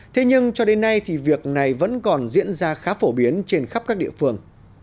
thế nhưng cho đến nay thì việc này vẫn còn diễn ra khá phổ biến trên khắp các địa phương